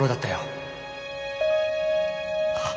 あっ。